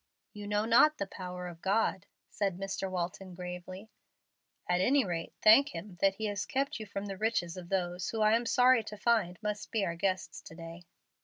"You know not the power of God," said Mr. Walton, gravely. "At any rate, thank Him that He has kept you from the riches of those who I am sorry to find must be our guests to day."